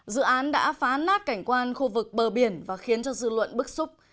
dự án đã phá nát cảnh quan khu vực bờ biển và khiến cho dư luận bức xúc